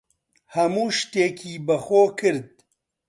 هەموو شتێکی بەخۆ کرد.